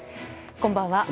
こんばんは。